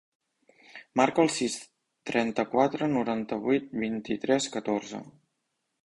Marca el sis, trenta-quatre, noranta-vuit, vint-i-tres, catorze.